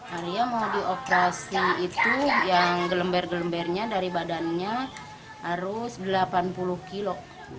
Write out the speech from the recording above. arya mau dioperasi itu yang gelember gelembernya dari badannya harus delapan puluh kilo